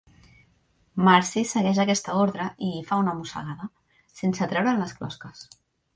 Marcie segueix aquesta ordre i hi fa una mossegada; sense treure'n les closques.